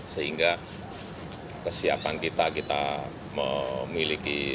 sehingga kesiapan kita kita memiliki